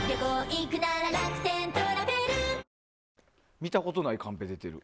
見たことないカンペ出てる。